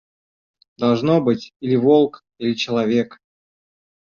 Должно быть, или волк, или человек».